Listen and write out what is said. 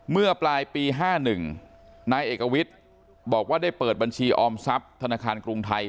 เมื่อปลายปี๕๑นายเอกวิทย์บอกว่าได้เปิดบัญชีออมทรัพย์ธนาคารกรุงไทย